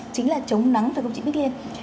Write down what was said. chính là chống nắng phải không chị bích liên